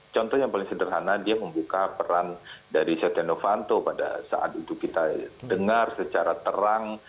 contoh yang paling sederhana dia membuka peran dari setia novanto pada saat itu kita dengar secara terang